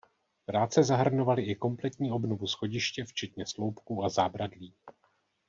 Práce zahrnovaly i kompletní obnovu schodiště včetně sloupků a zábradlí.